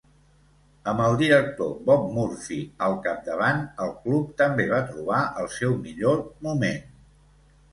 Amb el director Bob Murphy al capdavant, el club també va trobar el seu millor moment.